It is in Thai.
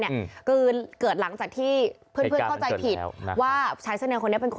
ก็คือเกิดหลังจากที่เพื่อนเข้าใจผิดว่าชั้นเสียงแดงแดง